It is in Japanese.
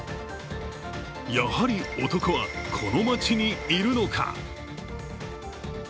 やはり、男はこの街にいるのか。